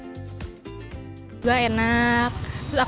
aku disini lebih sering pesan pesan yang lebih enak dan enak lebih enak